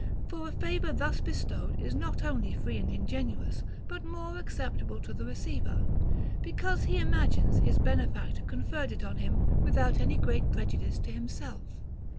For a favor thus bestowed is not only free and ingenuous, but more acceptable to the receiver, because he imagines his benefactor conferred it on him without any great prejudice to himself.